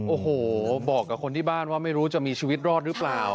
โอ้โหบอกกับคนที่บ้านว่าไม่รู้จะมีชีวิตรอดหรือเปล่า